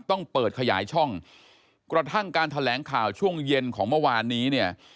ต้องเปิดขยายช่องกระทั่งการแถลงข่าวช่วงเย็นของเมื่อวานนี้เนี่ย